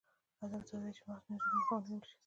هدف دا دی چې د مغز مینځلو مخه ونیول شي.